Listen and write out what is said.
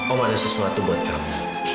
om ada sesuatu buat kamu